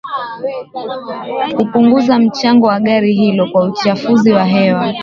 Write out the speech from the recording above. Kupunguza mchango wa gari hilo kwa uchafuzi wa hewa